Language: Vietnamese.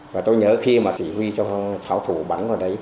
và tôi nhớ khi mà chỉ huy cho pháo thủ bắn vào đấy